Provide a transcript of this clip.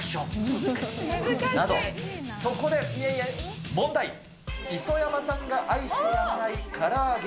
そこで問題、磯山さんが愛してやまないから揚げ。